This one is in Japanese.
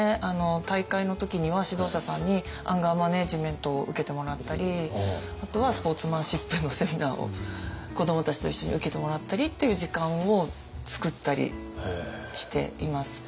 大会の時には指導者さんにアンガーマネジメントを受けてもらったりあとはスポーツマンシップのセミナーを子どもたちと一緒に受けてもらったりっていう時間をつくったりしています。